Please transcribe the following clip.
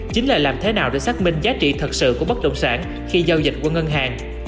chính là làm thế nào để xác minh giá trị thật sự của bất động sản khi giao dịch qua ngân hàng